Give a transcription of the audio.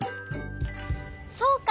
そうか！